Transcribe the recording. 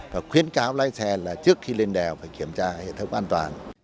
và khuyến cáo lái xe là trước khi lên đèo phải kiểm tra hệ thống an toàn